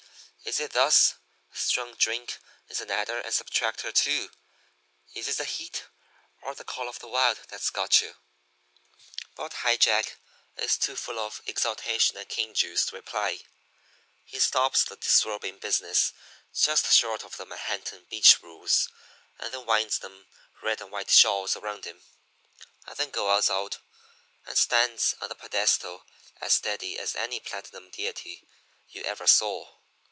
'Is it thus? Strong drink is an adder and subtractor, too. Is it the heat or the call of the wild that's got you?' "But High Jack is too full of exaltation and cane juice to reply. He stops the disrobing business just short of the Manhattan Beach rules, and then winds them red and white shawls around him, and goes out and. stands on the pedestal as steady as any platinum deity you ever saw.